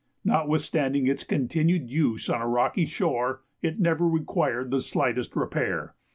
Notwithstanding its continued use on a rocky shore, it never required the slightest repair.